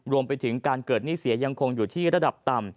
รวมไปถึงการเกิดหนี้เสียยังคงอยู่ที่ระดับต่ำ